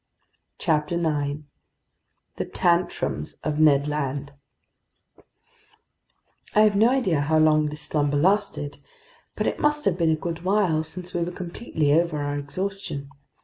CHAPTER 9 The Tantrums of Ned Land I HAVE NO IDEA how long this slumber lasted; but it must have been a good while, since we were completely over our exhaustion.